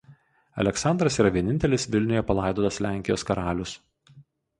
Aleksandras yra vienintelis Vilniuje palaidotas Lenkijos karalius.